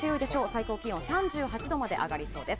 最高気温３８度まで上がりそうです。